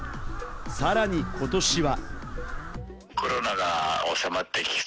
さらに今年は。